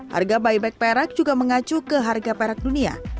harga buyback perak juga mengacu ke harga perak yang diberikan pada saat ini